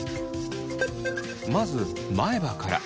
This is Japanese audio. まず前歯から。